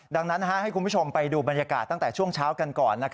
ดังนั้นให้คุณผู้ชมไปดูบรรยากาศตั้งแต่ช่วงเช้ากันก่อน